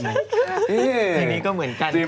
เพลงนี้ก็เหมือนกัน